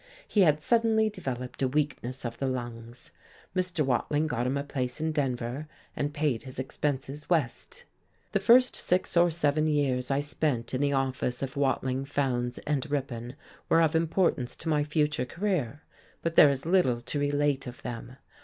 He had suddenly developed a weakness of the lungs. Mr. Watling got him a place in Denver, and paid his expenses west. The first six or seven years I spent in the office of Wading, Fowndes and Ripon were of importance to my future career, but there is little to relate of them.